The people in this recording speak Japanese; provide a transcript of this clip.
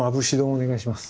お願いします。